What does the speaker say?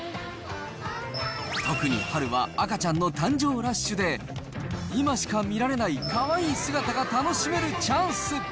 特に春は赤ちゃんの誕生ラッシュで、今しか見られないかわいい姿が楽しめるチャンス。